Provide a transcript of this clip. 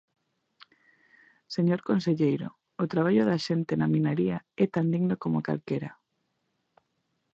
Señor conselleiro, o traballo da xente na minaría é tan digno coma calquera.